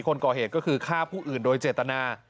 คนก่อเหตุก็คือฆ่าผู้อื่นโดยเจตนา